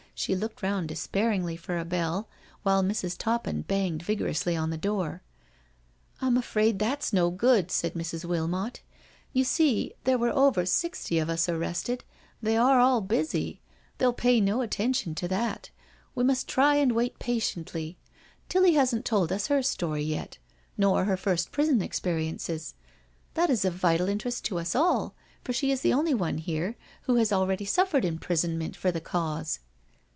She looked round despairingly for a bell, while Mrs. Toppin banged vigorously on the door. "I'm afraid that's no good," said Mrs, Wilmot, CANTERBURY TALES 115 You see there were over sixty of us arrested— they are all busy— they'll pay no attention to that. We must try and wait patiently. Tilly hasn't told us her story yet, nor her first prison experiences — that is of vital interest to us all, for she is the only one here who has already suffered imprisonment for the Cause."